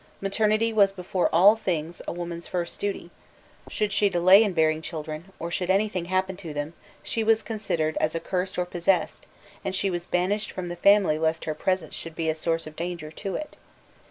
Maternity was before all things a woman's first duty: should she delay in bearing children, or should anything happen to them, she was considered as accursed or possessed, and she was banished from the family lest her presence should be a source of danger to it.